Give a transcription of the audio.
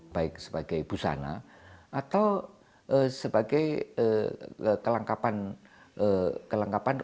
baik sebagai busana atau sebagai kelengkapan